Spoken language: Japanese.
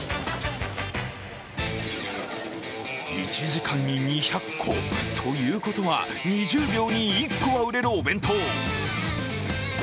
１時間に２００個ということは、２０秒に１個は売れるお弁当。